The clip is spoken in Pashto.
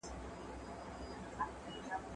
هر وخت چې خلک ګډون وکړي، پرېکړې به ناسمي نه شي.